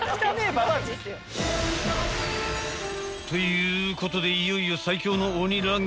［ということでいよいよ］